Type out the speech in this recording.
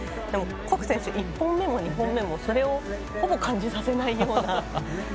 でも、谷選手は１本目も２本目もそれをほぼ感じさせないような。